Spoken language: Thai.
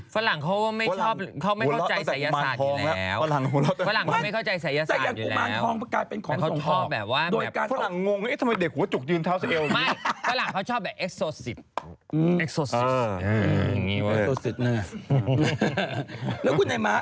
ฝรั่งเขาไม่ขอใจศัยยศาสตร์อยู่แล้ว